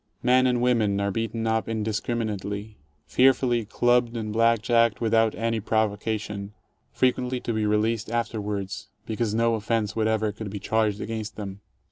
Men and women are beaten up indiscriminately, fear fully clubbed and blackjacked without any provocation, frequently to be released afterwards because no offence whatever could be charged against them.